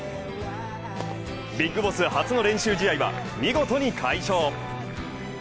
ビッグボス初の練習試合は見事に快勝。